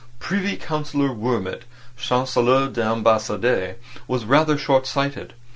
Privy Councillor Wurmt, Chancelier d'Ambassade, was rather short sighted.